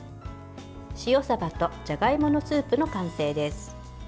塩さばとじゃがいものスープの完成です。